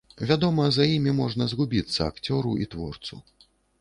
Вядома, за імі можна згубіцца акцёру і творцу.